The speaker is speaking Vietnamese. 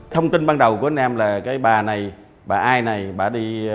thông tin ban đầu của anh em là cái bà này bà ai này bà đi bán cái giá số